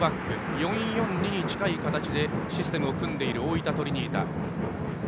４−４−２に近い形でシステムを組んでいる大分トリニータ。